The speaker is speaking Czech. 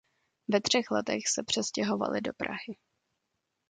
Ve třech letech se přestěhovali do Prahy.